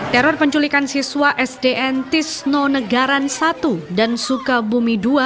teror penculikan siswa sdn tisno negaran satu dan suka bumi dua